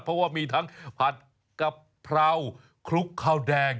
เพราะว่ามีทั้งผัดกะเพราคลุกข้าวแดง